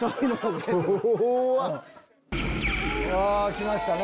来ましたね。